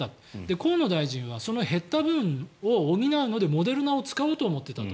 河野大臣はその減った分を補うのでモデルナを使おうと思っていたと。